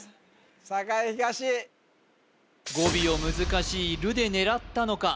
栄東語尾を難しい「る」で狙ったのか